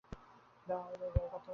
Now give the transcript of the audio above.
তাহা হইলেও উভয়ের কথা এক।